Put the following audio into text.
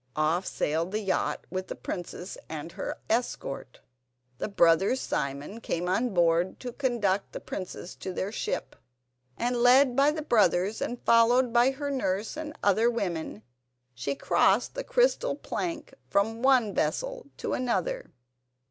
Off sailed the yacht with the princess and her escort. The brothers Simon came on board to conduct the princess to their ship, and, led by the brothers and followed by her nurse and other women, she crossed the crystal plank from one vessel to another.